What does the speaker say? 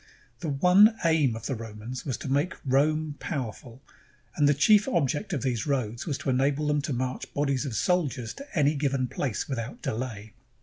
The one aim of the Romans was to make Rome power ful; and the chief object of these roads was to enable them to march bodies of soldiers to any given place without delay.